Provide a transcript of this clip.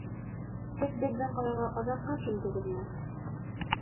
Һеҙ беҙҙең ҡалаға оҙаҡҡа килдегеҙме?